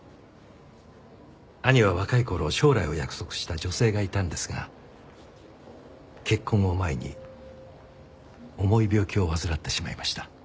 兄は若い頃将来を約束した女性がいたんですが結婚を前に重い病気を患ってしまいました。